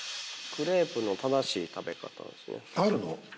クレープの正しい食べ方。